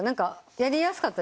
やりやすかった？